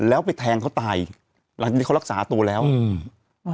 แล้วไปแทงเขาตายหลังจากที่เขารักษาตัวแล้วอืม